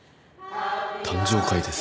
誕生会です。